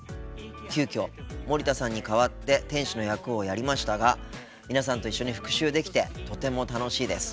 急きょ森田さんに代わって店主の役をやりましたが皆さんと一緒に復習できてとても楽しいです。